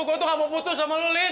gua tuh gak mau putus sama lu lin